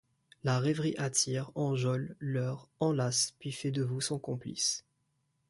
La rêverie attire, enjôle, leurre, enlace, puis fait de vous son complice.